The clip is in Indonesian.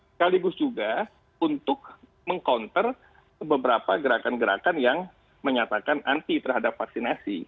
sekaligus juga untuk meng counter beberapa gerakan gerakan yang menyatakan anti terhadap vaksinasi